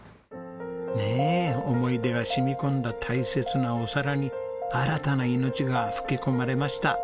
ねえ思い出が染み込んだ大切なお皿に新たな命が吹き込まれました。